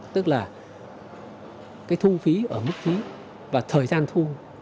tức là cái thu phí ở mức phí và thời gian thu